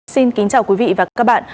xin kính chào quý vị và các bạn